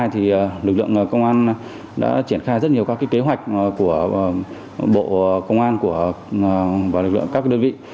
thì lực lượng công an đã triển khai rất nhiều các kế hoạch của bộ công an và lực lượng các đơn vị